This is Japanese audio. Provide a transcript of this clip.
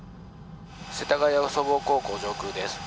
世田谷総合高校上空です。